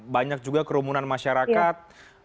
banyak juga kerumunan masyarakat